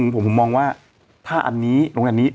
ผมมองว่าถ้าอันนี้โรงแรมนี้